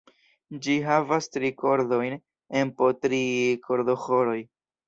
Ĝi havas tri kordojn en po tri kordoĥoroj.